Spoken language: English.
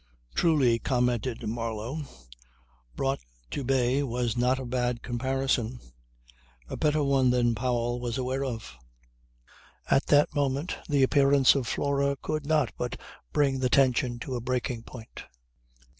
"Truly," commented Marlow, "brought to bay was not a bad comparison; a better one than Mr. Powell was aware of. At that moment the appearance of Flora could not but bring the tension to the breaking point.